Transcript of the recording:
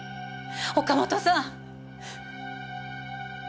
岡本さん！